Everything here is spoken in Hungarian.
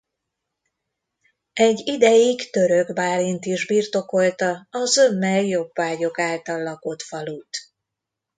Egy ideig Török Bálint is birtokolta a zömmel jobbágyok által lakott falut.